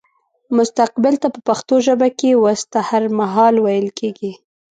مستقبل ته په پښتو ژبه کې وستهرمهال ويل کيږي